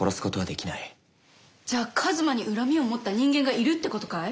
じゃあ一馬に恨みを持った人間がいるってことかい？